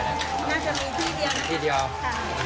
น่าจะมีที่เดียวน่ะ